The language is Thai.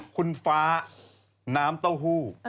คุณฟ้าน้ำเต้าหู้